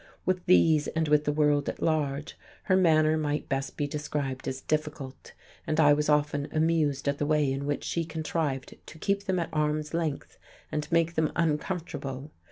With these, and with the world at large, her manner might best be described as difficult; and I was often amused at the way in which she contrived to keep them at arm's length and make them uncomfortable.